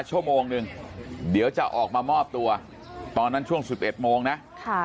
ชั่วโมงหนึ่งเดี๋ยวจะออกมามอบตัวตอนนั้นช่วง๑๑โมงนะค่ะ